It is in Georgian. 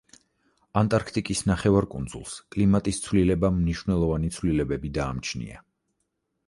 ანტარქტიკის ნახევარკუნძულს კლიმატის ცვლილებამ მნიშვნელოვანი ცვლილებები დაამჩნია.